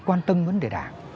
quan tâm vấn đề đảng